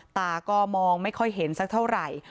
ตาก็มองไม่ค่อยเห็นสักเท่าไหร่